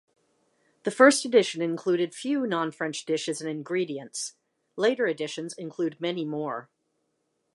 The first edition included few non-French dishes and ingredients; later editions include many more.